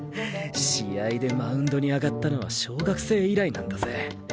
試合でマウンドに上がったのは小学生以来なんだぜ。